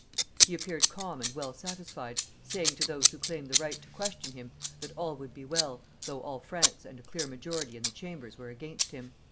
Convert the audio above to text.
He appeared calm and well satisfied, saying to those who claimed the right to question him, that all would be well, though all France and a clear majority in the Chambers were against him.